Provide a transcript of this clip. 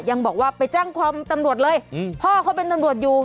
ยังบอกว่าไปแจ้งความตำรวจเลยพ่อเขาเป็นตำรวจอยู่